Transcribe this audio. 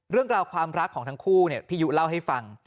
เรื่องราวความรักของทั้งคู่พี่ยุเล่าให้ฟัง